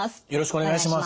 お願いします。